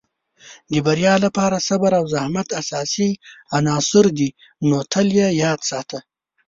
د بریا لپاره صبر او زحمت اساسي عناصر دي، نو تل یې یاد ساته.